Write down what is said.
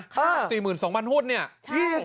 ค่ะค่ะ๔๒๐๐๐หุ้นเนี่ย